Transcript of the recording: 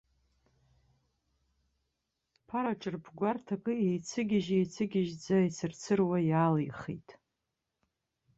Ԥара ҿырп гәарҭак еицыгьежь-еицыгьежьӡа, ицырцыруа иаалихит.